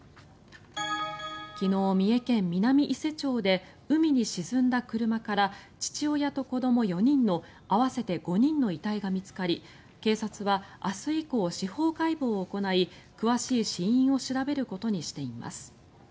昨日、三重県南伊勢町で海に沈んだ車から父親と子ども４人の合わせて５人の遺体が見つかり警察は明日以降、司法解剖を行い詳しい死因を調べることにしています。